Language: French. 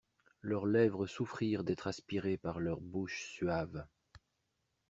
Leurs lèvres souffrirent d'être aspirées par leurs bouches suaves.